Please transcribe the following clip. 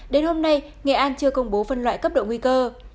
đến hôm nay nghệ an chưa công bố phân loại cấp độ nguy cơ